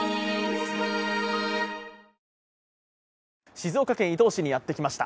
静岡県伊東市にやってきました。